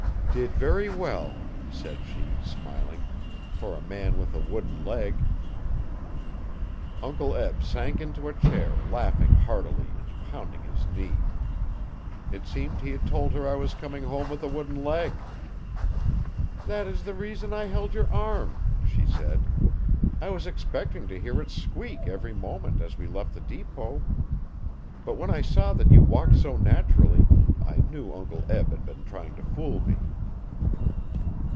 'Did very well,' said she, smiling, 'for a man with a wooden leg. Uncle Eb sank into a chair, laughing heartily, and pounding his knee. It seemed he had told her that I was coming home with a wooden leg! 'That is the reason I held your arm,' she said. 'I was expecting to hear it squeak every moment as we left the depot. But when I saw that you walked so naturally I knew Uncle Eb had been trying to fool me.